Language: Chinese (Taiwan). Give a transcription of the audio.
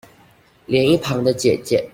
連一旁的姊姊